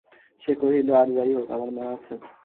সে কহিল, আর যাই হউক, আমার মা আছেন।